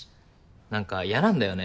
何か嫌なんだよね